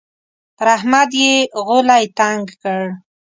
پر احمد يې غولی تنګ کړ.